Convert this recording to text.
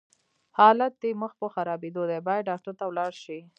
حالت دې مخ پر خرابيدو دی، بايد ډاکټر ته ولاړ شې!